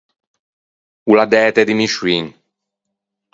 O l’à dæto e dimiscioin.